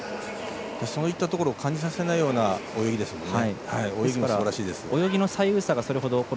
そういったところを感じさせないような泳ぎですよね。